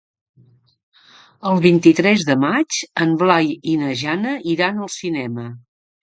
El vint-i-tres de maig en Blai i na Jana iran al cinema.